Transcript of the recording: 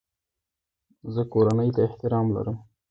زه کورنۍ ته احترام لرم.